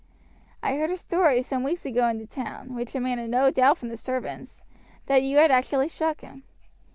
I heard a story some weeks ago in the town, which emanated no doubt from the servants, that you had actually struck him."